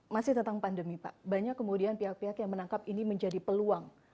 masih tentang pandemi pak banyak kemudian pihak pihak yang menangkap ini menjadi peluang